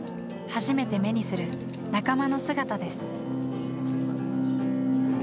初めて目にする仲間の姿です。